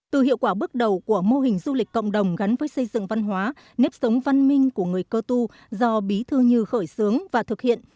từ hiệu quả bước đầu của mô hình du lịch cộng đồng gắn với xây dựng văn hóa nếp sống văn minh của người cơ tu do bí thư như khởi xướng và thực hiện